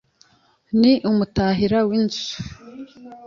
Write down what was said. Ni umutahira w’izau